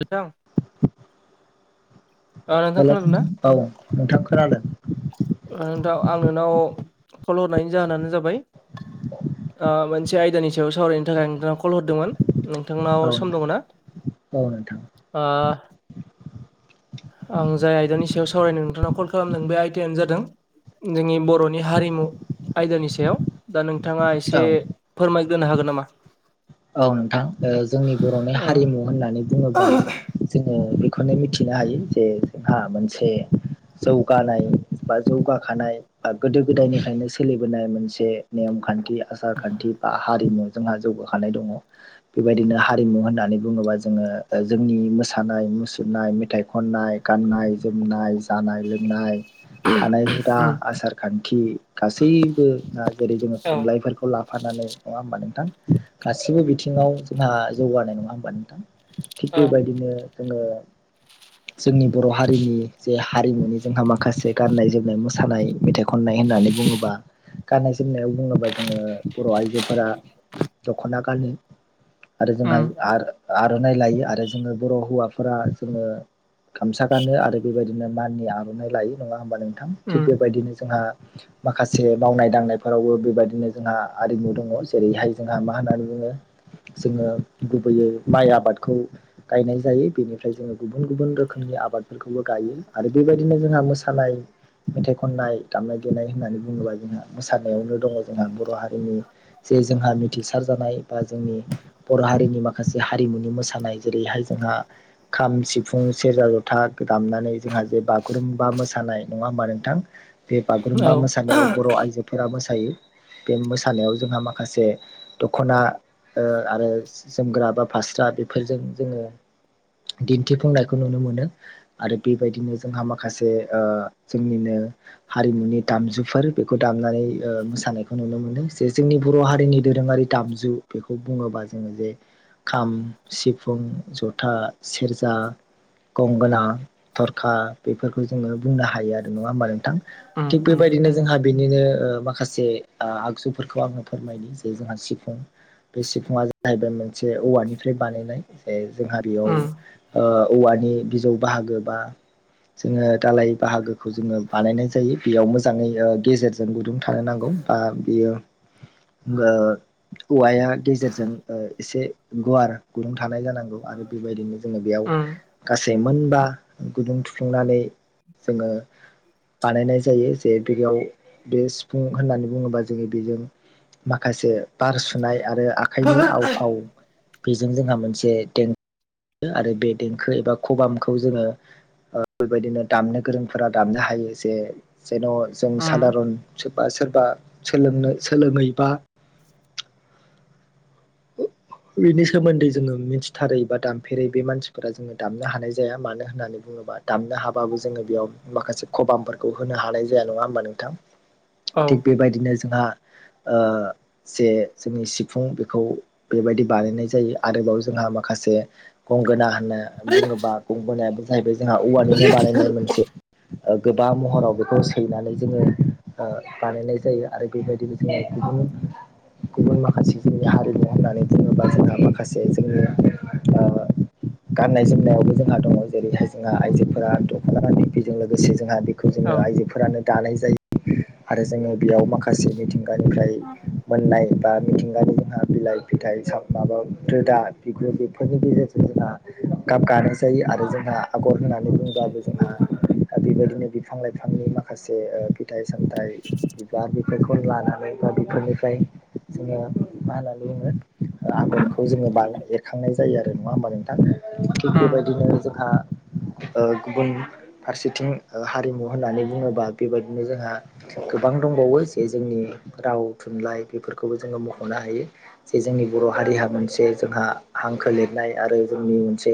मोजां हेल' औ नोंथां खोनादों। थ आं नोंनाव कल हरनायनि जाहोनानो जाबाय ओ मोनसे आयदानि सायाव सावरायनो थाखाय नोंथाङा कल हरदोंमोन। नोंथांनाव औ सम नोंथां दङ ना औ नोंथां आ आं जाय आयदानि सायाव सावरायदों नोंथांनाव कल खालामदों बे आयथायायानो जादों जोंनि बर'नि हारिमु आयदानि सायाव दा नों नोंथाङा औ एसे फोरमायग्रोनो हागोन नामा औ नोंथां ओ जोंनि बर'नि औ हारिमु होननानै बुङोबा जोङो खौनो मिथिनो हायो जे जोंहा मोनसे जौगानाय बा जौगाखानाय बा गोदो गोदायनिफ्रायनो सोलिबोनाय मोनसे नेमखान्थि आसार खान्थि बा हारिमु जोंहा जौगा खानाय दङ'। बेबायदिनो हारिमु होननानै बुङोबा जोङो ओ जोंनि मोसानाय, मुसुरनाय, मेथाइ खननाय, गाननाय-जोमनाय, जानाय-लोंनाय, थानाय हुदा, उम आसार-खान्थि गासैबो जेरै जोङो औ थुनलाइफोरखौ ला फानानै नङा होमबा नोंथां गासिबो बिथिङाव जोंहा जौगानाय नङा होमबा नोंथां? थिग औ बेबायदिनो जोङो जोंनि बर' हारिनि जे हारिमुनि जोंहा माखासे गाननाय जोमनाय मोसानाय मेथाइ खननाय होननानै बुङोबा गाननाय जोमनायाव बुङोबा जोङो बर' आइजोफोरा दख'ना गानो आरो जोंहा आ आर'नाइ लायो आरो जोङो बर' हौवाफोरा जोङो गामसा गानो आरो बेबायदिनो माननि आर'नाइ लायो नङा होमबा नोंथां उम थिग बेबायदिनो जोंहा माखासे मावनाय दांनायफोरावबो बेबायदिनो जोंहा आरिमु दङ' जेरैहाय जोंहा मा होननानै बुङो जोङो गुबैयै माइ आबादखौ गायनाय जायो बेनिफ्राय जोङो गुबुन गुबुन रोखोमनि आबादफोरखौबो गायो आरो बेबायदिनो जोंहा मोसानाय मेथाइ खननाय, दामनाय-देनाय होननानै बुङोबा जोंहा मोसानायावनो दङ' जोंहा बर' हारिनि बै जोंहा मिथिसार जानाय बा जोंनि बर' हारिनि माखासे हारिमुनि मोसानाय जेरैहाय जोंहा खाम, सिफुं, सेरजा, जथा दामनानै जोंहा जे बागुरुम्बा मोसानाय नङा होमबा नोंथां? बे औ बागुरुम्बा मोसानायाव बर' आइजोफोरा मोसायो, बे मोसानायाव जोंहा माखासे दख'ना ओ आरो जोमग्रा बा फास्रा बेफोरजों जोङो दिन्थिफुंनायखौ नुनो मोनो आरो बेबायदिनो जोंहा माखासे ओ जोंनिनो हारिमुनि दामजुफोर बेखौ दामनानै ओ मोसानायखौ नुनो मोनदों जे जोंनि बर' हारिनि दोरोङारि दामजु बेखौ बुङोबा जोङो जे खाम, सिफुं, जथा, सेरजा गंगोना, थरखा बेफोरखौ जोङो बुंनो हायो आरो, नङा होमबा नोंथां? उम थिग उम बेबायदि नो उम जोंहा बेनिनो ओ माखासे ओ आगजुफोरखौ आङो फोरमायनि जे जोंहा सिफुं बे सिफुंङा जाहैबाय मोनसे औवानिफ्राय बानायनाय जे जोंहा बेयाव उम ओ औवानि बिजौ बाहागो बा जोङो दालाय बाहागोखौ जोङो बानायनाय जायो। बेयाव मोजाङै गेजेरजों ओ गुदुं थानो नांगौ। बा बियो गो औवाया गेजेरजों ओ एसे गुवार गुदुं थानाय जानांगौ आरो बेबायदिनो जोङो बेयाव उम गासै मोनबा गुदुं थुफ्लुंनानै जोङो बानायनाय जायो जे बेयाव बे सिफुं होननानै बुङोबा जोङो बेजों माखासे बार सुनाय आरो आखाइनि आव फाव बेजों जोंहा मोनसे देंखो आरो बे देंखो एबा खबामखौ जोङो ओ बेबायदिनो दामनो गोरोंफोरा दामनो हायो जे जेन' जों उम सादारन सोरबा सोरबा सोलोंनो सोलोङैबा बेनि सोमोन्दै जोङो मिथिथारै बा दामफेरै बे मानसिफोरा जोङो दामनो हानाय जाया मानो होननानै बुङो बा दामनो हाबाबो जोङो बेयाव माखासे खबामफोरखौ होनो हानाय जाया नङा होमबा नोंथां? औ थिग बेबायदिनो जोंहा ओ जे जोंनि सिफुं बेखौ बेबायदि बानायनाय जायो आरोबाव जोंहा माखासे गंगोना होनना बुङोबा गंगोनायाबो जाहैबाय जोंहा औवानिनो बानायनाय मोनसे ओ गोबां महराव बेखौ सैनानै जोङो ओ बानायनाय जायो आरो बेबायदिनो जोङो गुबन गुबुन माखासे जोंनि हारिनि होननानै बुङो बा जोंहा माखासे जोंनि ओ गाननाय जोमनायावबो जोंहा दङ जेरैहाय जोंहा आइजोफोरा दखना बेजों लोगोसे जोंहा बे खौ औ जोङो उम आइजोफोरानो दानाय जायो आरो जोङो बेयाव माखासे मिथिंगानिफ्राय मोननाय बा मिथिंगानि जोंहा बिलाय फिथाइ माबा रोदा बिगुर बेफोरनि गेजेरजों जोंहा गाब गानाय जायो आरो जोंहा आगर होननानै बुङोबाबो जोंहा बेबायदिनो बिफां लाइफांनि माखासे ओ फिथाइ साम था थाय बिबार बेफोरखौ लानानै बा बेफोरनिफ्राय जोङो मा होननानै बुङो? आगरखौ जोङो बा एरखांनाय जायो आरो नङा होमबा नोंथां? थिग बेबायदिनो जोंहा [inaudible] ओ गुबुन फारसेथिं ओ हारिमु होननानै बुङोबा बेबायदिनो जोंहा गोबां दं दंबावो जे जोंनि राव थुनलाइ बेफोरखौबो जोङो मखनो हायो। जे जोंनि बर हारिहा मोनसे जोंहा हांखो लिरनाय आरो जोंनि मोनसे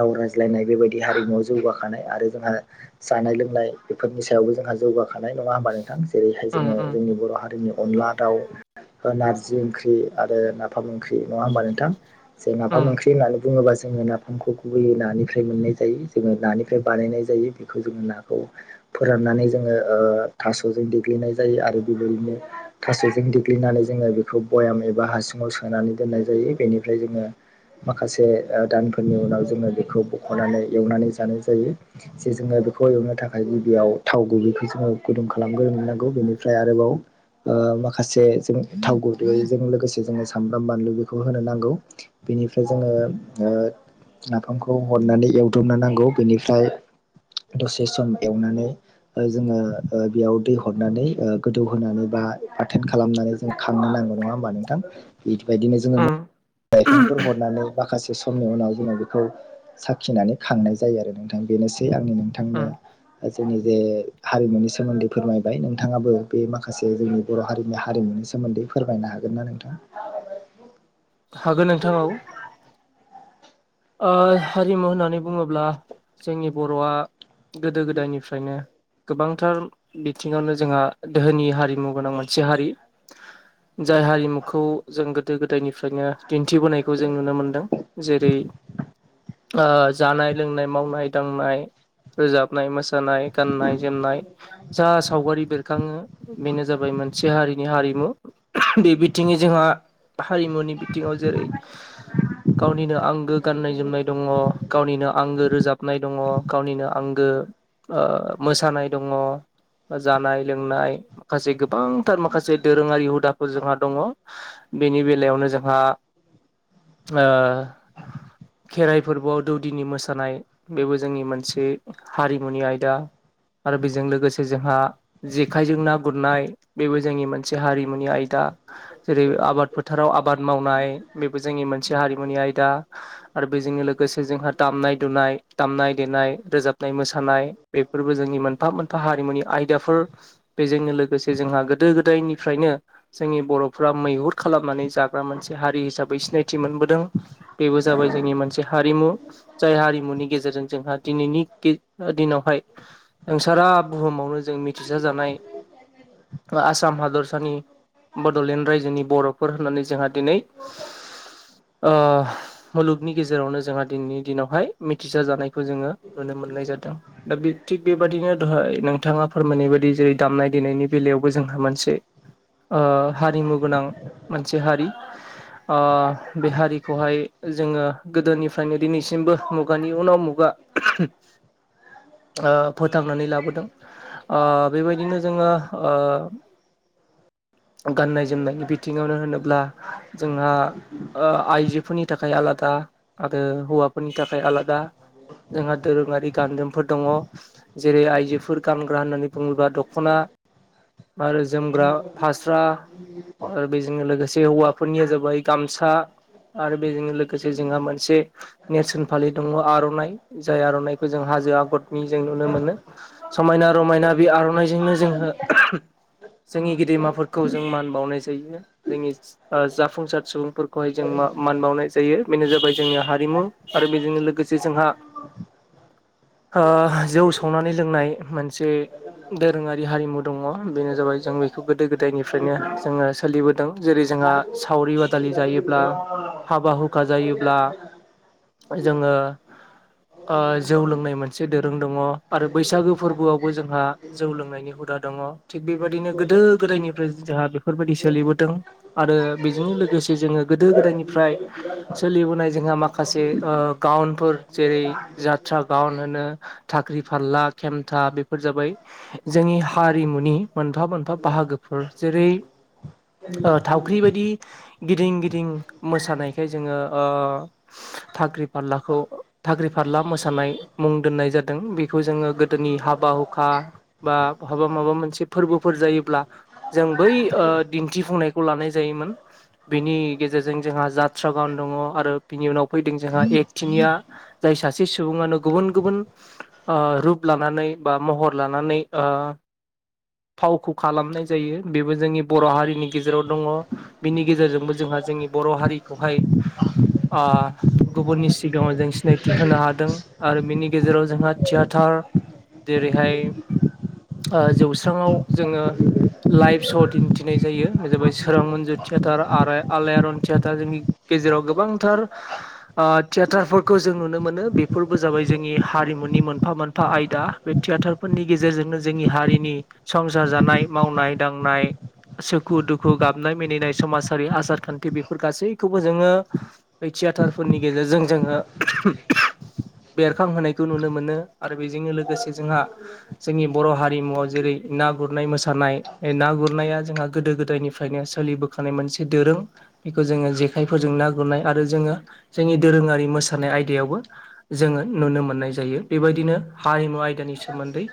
राव रायज्लाय नाय बेबायदि हारिमुआव जौगाखानाय आरो जोंहा जानाय लोंनाय बेफोरनि सायावबो जोंहा जौगाखानाय खानाय नङा होमबा नोंथां जेरैहाय उम जोङो उम जोंनि बर हारिनि अनला दाउ नारजि ओंख्रि आरो नाफाम ओंख्रि नङा होमबा नोंथां? जै उम नाफाम ओख्रि होननानै बुङोबा जों जोङो नाफामखौ गुबैयै नानिफ्राय मोननाय जायो जोङो नानिफ्राय बानायनाय जायो बेखौ जोङो नाखौ फोराननानै जोङो ओ थासजों देग्लिनाय जायो आरो बेबायदिनो थासजों देग्लिनानै जोङो बेखौ बयाम एबा हासुङाव सोनानै दोननाय जायो। बेनिफ्राय जोङो माखासे ओ दानफोरनि उनाव जोङो बेखौ बखनानै एवनानै जानाय जायो। जे जोङो बेखौ एवनो थाखाय गिबियाव थाव गुबैखौ जोङो गुदुं खालामग्रोननांगौ बेनिफ्राय आरोबाव माखासे जों थाव गदै जों लोगोसे जोंङो सामब्राम बानलु बेखौ होनो नांगौ बेनिफ्राय जोङो ओ नाफामखौ हरनानै एवदबनो नांगौ बेनिफ्राय दसे सम एवनानै ओ जोङो ओ बेयाव दै हरनानै ओ गोदौहोनानै बा बाथोन खालामनानै जोंङो खांङोना। नङा होनबा नोंथां? बिदिबायदिनो जोङो उम [inaudible] लाइफांफोर हरनानै माखासे समनि उनाव जोङो बेखौ साखिनानै खांनाय जायो आरो नोंथां बेनोसै आंनि नोंथांनो उम जोंनि जे हारिमुनि सोमोन्दै फोरमायबाय नोंथाङाबो बे माखासे जोंनि बर' हारिनि हारिमुनि सोमोन्दै फोरमायनो हागोन। होगोन ना नोंथां? हागोन नोंथां औ। हारिमु होननानै बुङोब्ला जोंनि बर'आ गोदो गोदाय निफ्रायनो गोबांथार बिथिङावनो जोंहा दोहोनि हारिमु गोनां मोनसे हारि जाय हारिमुखौ जों गोदो गोदायनिफ्रायनो दिन्थिबोनायखौ जों नुनो मोनदों। जेरै ओ जानाय लोंनाय मावनाय दांनाय रोजाबनाय मोसा नाय गाननाय जोमनाय जा सावगारि बेरखाङो बेनो जाबाय मोनसे हारिनि हारिमु। बे बिथिङै जोंहा हारिमुनि बिथिङाव जेरै गावनिनो आंगो गाननाय जोमनाय दङ गावनिनो आं गो रोजाबनाय दङ गावनिनो आंगो ओ मोसानाय दङ जानाय लोंनाय माखासे गोबांथार माखासे दोरोङारि हुदाफोर जोंहा दङ। बेनि बेलायावनो जोंहा ओ खेराइ फोरबोआव दौदिनि मोसानाय बेबो जोंनि मोनसे हारिमुनि आयदा। आरो बेजों लोगोसे जोंहा जेखाइजों ना गुरनाय बेबो जोंनि मोनसे हारिमुनि आयदा। जेरै आबाद फोथाराव आबाद मावनाय बेबो जोंनि मोनसे हारिमुनि आयदा। आरो बेजोंनो लोगोसे जोंहा दामनाय दुनाय दामनाय देनाय रोजाबनाय मोसानाय बेफोरबो जों नि मोनफा मोनफा हारिमुनि आयदाफोर बेजोंनो लोगोसे जोंहा गोदो गोदायनिफ्रायनो जों जों बर'फ्रा मैहुर खालामनानै जाग्रा मोनसे हारि हिसाबै सिनायथि मोनबोदों बेबो जाबाय जोंनि मोनसे हारिमु जाय हारिमुनि गेजेरजों जोंहा दिनैनि दिनावहाय नों सारा बुहुमावनो जों मिथिसार जानाय आसाम हादर सानि बड'लेण्ड रायजोनि बर'फोर होननानै जोंहा दिनै ओ मुलुगनि गेजेरावनो जोंहा दिनैनि दिनावहाय मिथिसार जानायखौ जोङो नुनो मोननाय जादों दा थिग बेबायाददिनो दहाय नोंथाङा फोरमायनाय बायदि जेरै दामनाय देनायनि बेलायावबो जोंहा मोनसे ओ हारिमु गोनां मोनसे हारि ओ बे हारिखौहाय जोङो गोदोनिफ्रायनो दिनैसिमबो मुगानि उनाव मुगा ओ फोथांनानै लाबोदों ओ बेबायदिनो जोङो ओ [inaudible] गाननाय जोमनायनि बिथिङावनो होनोब्ला जोंहा ओ आइजोनि थाखाय आलादा आरो हौवाफोरनि थाखाय आलादा जोंहा दोरोङारि गान जोमफोर दङ जेरै आइजोफोर गानग्रा होननानै बुङोब्ला दख'ना आरो जोमग्रा फास्रा आरो बेजोंनो लोगोसे हौवाफोरनिया जाबाय गामसा आरो बेजोंनो लोगोसे जोंहा मोनसे नेरसोन फालि दङ आर'नाइ जाय आर'नाइखौ जों हाजो आगर नि जों नुनो मोनो समायना रमायना बे आर'नाइजोंनो जोङो जोंनि गेदेमाफोरखौ जों मान बावनाय जायो जोंनि जाफुंसार फोरखौहाय जों मान बावनाय जायो बेनो जाबाय जोंनि हारिमु आरो बेजोंनो लोगोसे जोंहा ओ जौ सावनानै लोंनाय मोनसे दोरोङारि हारिमु दङ बेनो जाबाय जों बेखौ गोदो गोदायनिफ्रायनो जोङो सोलिबोदों जेरै जोंहा सावरि बादालि जायोब्ला हाबा हुखा जायोब्ला जोङो ओ जौ लोंनाय मोनसे दोरों दङ आरो बैसागो फोरबोआवबो जोंहा जौ लोंनायनि हुदा दङ दङ थिग बेबायदिनो गोदो गोदायनिफ्राय जोंहा बेफोरबायदि सोलिबोदों आरो बेजों लोगोसे जोङो गोदो गोदायनि फ्राय सोलिबोनाय जोंहा माखासे ओ गावनफोर जेरै जात्रा गउन होनो नो थाख्रि फारला खेमथा बेफोर जाबाय जोंनि हारिमुनि मोनफा मोनफा फा बाहागोफोर जेरै ओ थावख्रि बायदि गिदिं गिदिं मोसानायखाय जोङो ओ थाख्रि फारलाखौ थाख्रि फारला मोसानाय मुं दोननाय जादों बेखौ जोङो गोदोनि हाबा हुखा बा बहाबा माबा मोनसे फोरबोफोर जायोब्ला जों बै ओ दिन्थिफुंनायखौ लानाय जायोमोन बेनि गेजेरजों जों जोंहा जात्रा गान दङ आरो बिनि उनाव फैदों जोंहा एक थिनिया जाय सासे सुबुङानो गुबुन गुबुन ओ रुप लानानै बा महर लानानै ओ आ फावखौ खालामनाय जायो बेबो जोंनि बर' हारिनि गेजेराव दङ बिनि गेजेरजोंबो जोंहा जोंनि बर' हारिखौहाय ओ गुबुननि सिगाङाव जों सिनायथि होनो हादों आरो बिनि गेजेराव जोंहा थियाटार जेरैहाय ओ जौस्रांङाव जोङो लाइभ श' दिन्थिनाय जायो बे जाबाय सोरां मन्जु थियाटार आरो आलायारन थियाटार जोंनि गेजेराव गोबांथार ओ थियाटारफोरखौ जों नुनो मोनो बे बेफोरबो जाबाय जोंनि हारिमुनि मोनफा मोनफा आयदा बे थियाटारफोरनि गेजेरजोंनो जोंनि हारिनि संसार जानाय मावनाय दांनाय सुखु दुखु गाबनाय मिनिनाय समाजारि आसार खान्थि बेफोर गासैखौबो जोङो बे थियाटारफोरनि गेजेरजों जोङो बेरखां होनायखौ नुनो मोनो आरो बेजोंनो लोगोसे जोंहा जोंनि बर' हारिमुआव जेरै ना गुरनाय मोसानाय बे ना गुरनाया जोंहा गोदो गोदायनिफ्रायनो सोलिबोखानाय मोनसे दोरों बेखौ जोङो जेखायफोरजों ना गुरनाय आरो जोङो जोंनि दोरोङारि मोसानाय आयदायावबो जोङो नुनो मोननाय जायो बेबायदिनो हारिमु आयदानि सोमोन्दै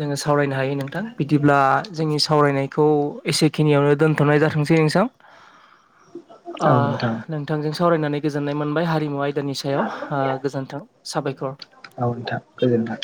जोङो सावरायनो हायो नोंथां बिदिब्ला जोंनि सावरायनाय खौ एसेखिनियावनो दोनथ'नाय जाथोंसै नोंथां? ओ औ नोंथां नोंथांजों सावरायनानै गोजोननाय मोनबाय हारिमु आयदानि सायाव आ गोजोन्थों साबायखर। औ नोंथां गोजोनथों।